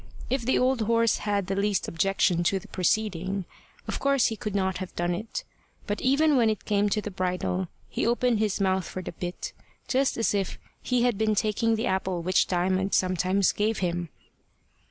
If the old horse had had the least objection to the proceeding, of course he could not have done it; but even when it came to the bridle, he opened his mouth for the bit, just as if he had been taking the apple which Diamond sometimes gave him.